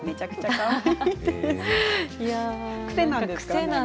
かわいい。